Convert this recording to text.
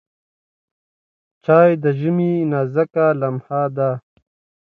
چای د ژمي نازکه لمحه ده.